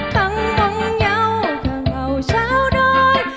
ข้างมงเยาข้างเราชาวดอย